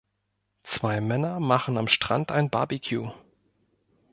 Zwei Männer machen am Strand ein Barbecue.